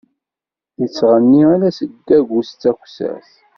Ittɣenni ala seg agus d takessert.